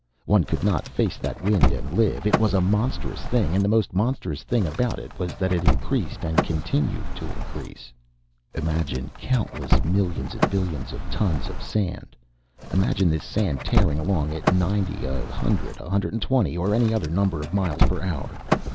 One could not face that wind and live. It was a monstrous thing, and the most monstrous thing about it was that it increased and continued to increase. Imagine countless millions and billions of tons of sand. Imagine this sand tearing along at ninety, a hundred, a hundred and twenty, or any other number of miles per hour.